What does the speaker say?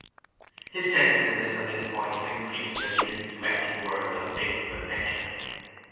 His sensitiveness on this point had increased as he listened to Eppie's words of faithful affection.